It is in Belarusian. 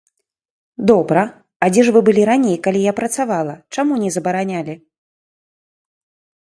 Добра, а дзе ж вы былі раней, калі я працавала, чаму не забаранялі?